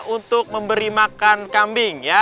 untuk memberi makan kambing